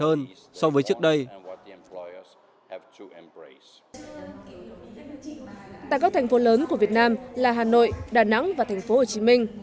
hơn so với trước đây tại các thành phố lớn của việt nam là hà nội đà nẵng và thành phố hồ chí minh